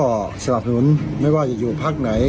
ก็สนับสนุนไม่ว่าจะอยู่พักไหน